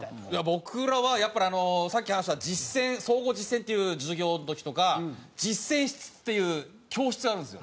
僕らはやっぱりあのさっき話した実践総合実践っていう授業の時とか実践室っていう教室があるんですよ。